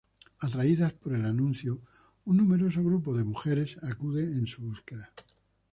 Atraídas por el anuncio, un numeroso grupo de mujeres acuden en su búsqueda.